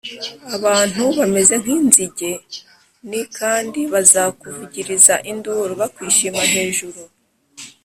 Abantu bameze nk inzige n kandi bazakuvugiriza induru bakwishima hejuru